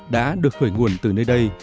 đã được khởi nguồn từ nơi đây